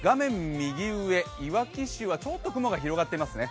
右上、いわき市はちょっと雲が広がっていますね。